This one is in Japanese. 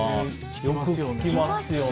よく聞きますよね。